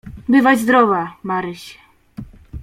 "Bywaj zdrowa, Maryś."